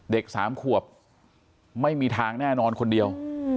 เด็กสามขวบไม่มีทางแน่นอนคนเดียว